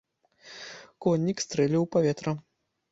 Коннік стрэліў у паветра.